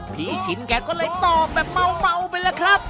ชินแกก็เลยตอบแบบเมาไปแล้วครับ